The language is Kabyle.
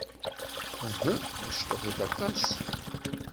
Uhu. Mecṭuḥit aṭas.